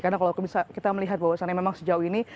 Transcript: karena kalau kita melihat bahwasannya memang sejauh ini